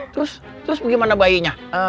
terus terus bagaimana bayinya